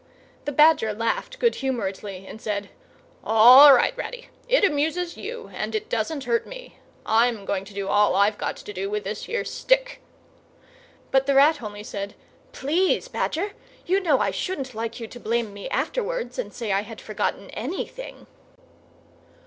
The Badger laughed good humouredly and said, "All right, Ratty! It amuses you and it doesn't hurt me. I'm going to do all I've got to do with this here stick." But the Rat only said, "please, Badger. You know I shouldn't like you to blame me afterwards and say I had forgotten _anything!